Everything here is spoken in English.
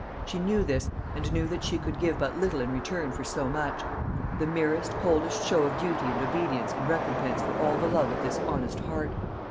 She knew this, and, knew that she could give but little in return for so much the merest, coldest show of duty and obedience in recompense for all the love of this honest heart.